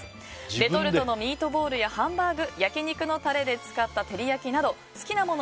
レトルトのミートボールやハンバーグ焼き肉のタレで作った照り焼きなど。